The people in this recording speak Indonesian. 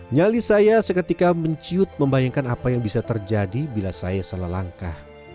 nyali saya seketika menciut membayangkan apa yang bisa terjadi bila saya salah langkah